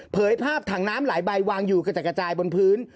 ภาพถังน้ำหลายใบวางอยู่กระจัดกระจายบนพื้น